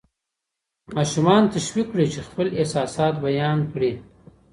ماشومان تشویق کړئ چې خپل احساسات بیان کړي.